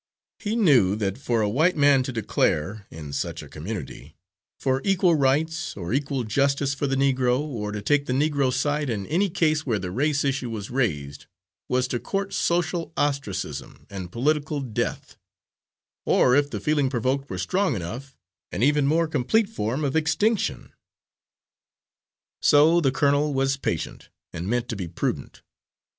He knew that for a white man to declare, in such a community, for equal rights or equal justice for the Negro, or to take the Negro's side in any case where the race issue was raised, was to court social ostracism and political death, or, if the feeling provoked were strong enough, an even more complete form of extinction. So the colonel was patient, and meant to be prudent.